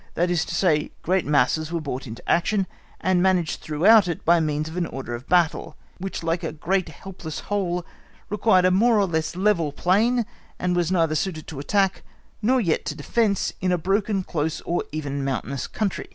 That is to say, great masses were brought into action, and managed throughout it by means of an order of battle, which like a great helpless whole required a more or less level plain and was neither suited to attack, nor yet to defence in a broken, close or even mountainous country.